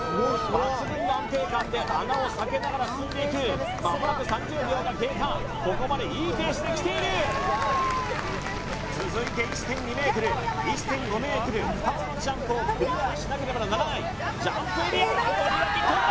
抜群の安定感で穴を避けながら進んでいくまもなく３０秒が経過ここまでいいペースできている続いて１．２ｍ１．５ｍ２つのジャンプをクリアしなければならないジャンプエリア森脇跳んだ